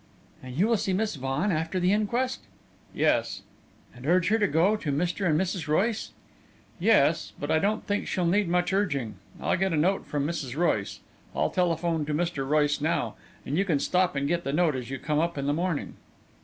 "And you will see Miss Vaughan after the inquest?" "Yes." "And urge her to go to Mr. and Mrs. Royce?" "Yes but I don't think she'll need much urging. I'll get a note from Mrs. Royce. I'll telephone to Mr. Royce now, and you can stop and get the note as you come up in the morning."